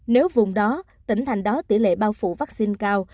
nếu vùng đó tỉnh thành đó tỷ lệ bao phủ vaccine cao